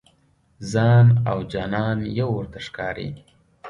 ځان او جانان یو ورته ښکاري.